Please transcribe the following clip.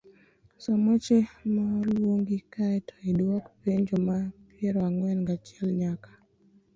Som weche maluwogi kae to idwok penjo mag piero ang'wen gachiel nyaka